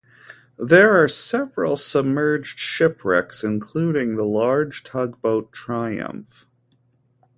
There are several submerged shipwrecks including the large tugboat Triumph.